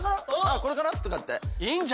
これかな？とかって。